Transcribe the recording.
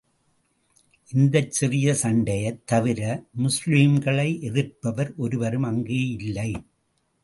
இந்தச் சிறிய சண்டையைத் தவிர, முஸ்லிம்களை எதிர்ப்பவர் ஒருவரும் அங்கே இல்லை.